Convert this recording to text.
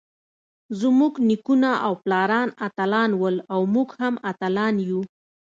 زمونږ نيکونه او پلاران اتلان ول اؤ مونږ هم اتلان يو.